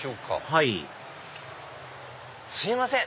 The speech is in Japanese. はいすいません！